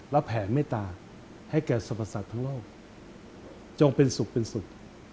และแผ่เมตตาให้แก่สรรพสัตว์ทั้งโลกจงเป็นสุขเป็นสุข